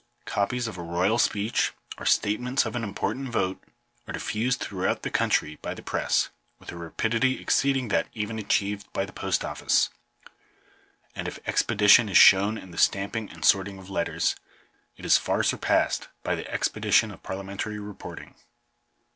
Copies of a royal speech, or state ments of an important vote, are diffused throughout the country by the press, with a rapidity exceeding that even achieved by the Post Office ; and if expedition is shown in the stamping and sorting of letters, it is far surpassed by the expedition of parliamentary reporting.